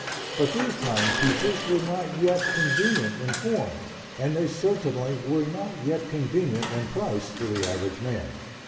But these timepieces were not yet convenient in form, and they certainly were not yet convenient in price for the average man.